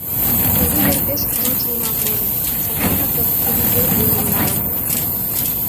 Кугу ер пеш кужун шуйналт возын, садланак дыр «Кугу ер» лӱмым налын.